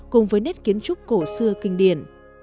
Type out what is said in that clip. cùng với nét kiến trúc cổ xưa kinh điển